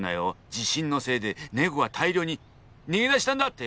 地震のせいでネコが大量に逃げ出したんだってよ！